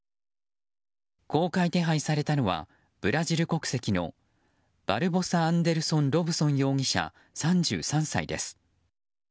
公開手配されたのはブラジル国籍のバルボサ・アンデルソン・ロブソン容疑者３３歳です。